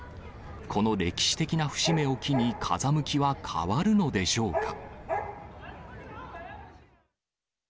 この歴史的な節目を機に風向きは変わるのでしょうか。